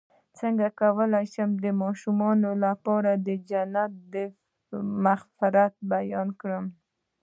څنګه کولی شم د ماشومانو لپاره د جنت د مغفرت بیان کړم